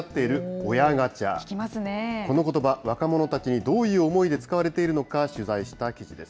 このことば、若者たちにどういう思いで使われているのか、取材した記事です。